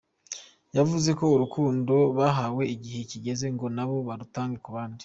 Yavuze ko urukundo bahawe, igihe kigeze ngo nabo barutange ku bandi.